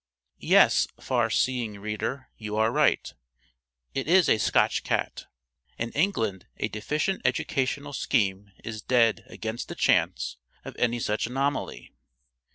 Yes, far seeing reader, you are right, it is a Scotch cat. In England a deficient educational scheme is dead against the chance of any such anomaly.